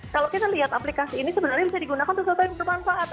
kalau kita lihat aplikasi ini sebenarnya bisa digunakan untuk sesuatu yang bermanfaat